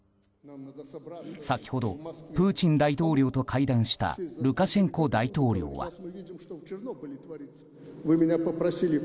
先ほどプーチン大統領と会談したルカシェンコ大統領は。